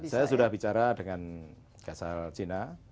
saya sudah bicara dengan kasal china